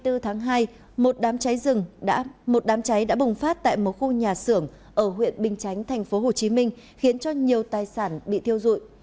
tối ngày hai mươi bốn tháng hai một đám cháy rừng một đám cháy đã bùng phát tại một khu nhà xưởng ở huyện bình chánh thành phố hồ chí minh khiến cho nhiều tài sản bị thiêu dụi